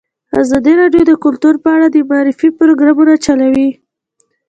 ازادي راډیو د کلتور په اړه د معارفې پروګرامونه چلولي.